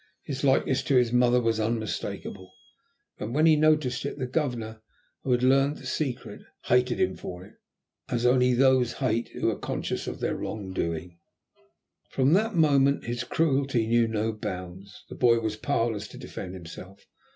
His likeness to his mother was unmistakable, and when he noticed it, the Governor, who had learned the secret, hated him for it, as only those hate who are conscious of their wrong doing. From that moment his cruelty knew no bounds. The boy was powerless to defend himself.